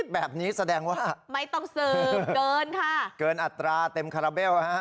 แบบนี้แสดงว่าไม่ต้องสืบเกินค่ะเกินอัตราเต็มคาราเบลฮะ